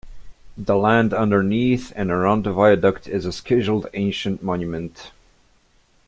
The land underneath and around the viaduct is a scheduled ancient monument.